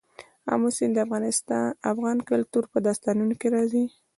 آمو سیند د افغان کلتور په داستانونو کې راځي.